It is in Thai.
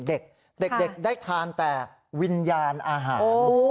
เด็กเด็กได้ทานแต่วิญญาณอาหาร